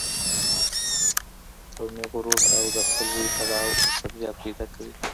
قومي غرور او د خپلوۍ تړاو عصبیت پیدا کوي.